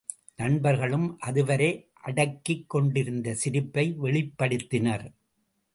நண்பர்களும் அதுவரை அடக்கிக் கொண்டிருந்த சிரிப்பை வெளிப்படுத்தினர்.